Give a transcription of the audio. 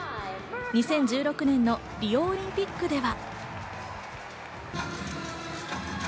２０１６年のリオオリンピックでは。